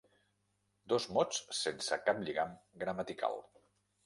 Dos mots sense cap lligam gramatical.